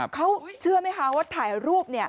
เขาเชื่อไหมคะว่าถ่ายรูป